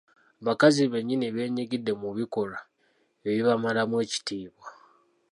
Abakazi bennyini beenyigidde mu bikolwa ebibamalamu ekitiibwa.